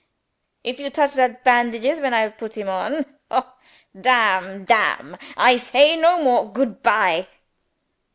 If you touch that bandages when I have put him on Ho Damn Damn! I say no more. Good bye!"